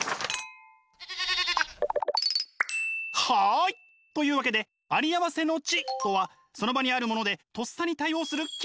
はい！というわけでありあわせの知とはその場にあるものでとっさに対応する。